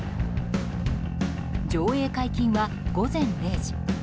上映解禁は午前０時。